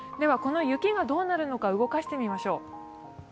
雪がどうなるのか動かしてみましょう。